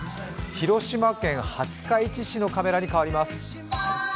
広島県廿日市市のカメラに変わります。